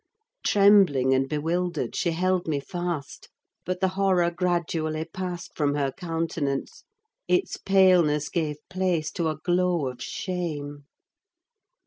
Trembling and bewildered, she held me fast, but the horror gradually passed from her countenance; its paleness gave place to a glow of shame.